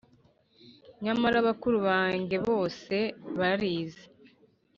. Nyamara bakuru bange bose barize.